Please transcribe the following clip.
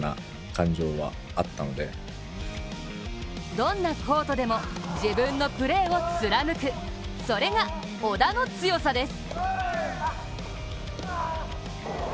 どんなコートでも自分のプレーを貫く、それが小田の強さです。